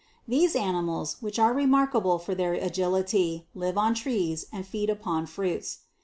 These animals, which are remarkable for their agility, live on trees and feed upon fruits.